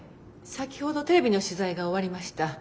先ほどテレビの取材が終わりました。